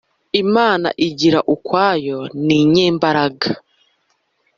imana igira ukwayo ni nyembaraga